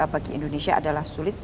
bagi indonesia adalah sulit